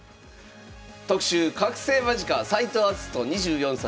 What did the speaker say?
特集覚醒間近斎藤明日斗２４歳。